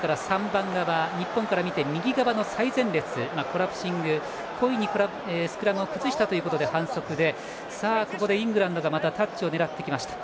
３番側日本から見て右側の最前列コラプシング、故意にスクラムを崩したということで反則でここでイングランドまたタッチを狙ってきました。